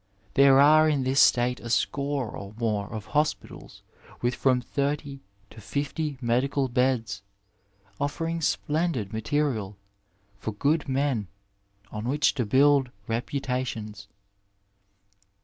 There are in this State a score or more of hospitals with from thirty to fifty medical beds, offering splendid material for good men on which to build reputations.